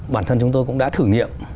bản thân chúng tôi cũng đã thử nghiệm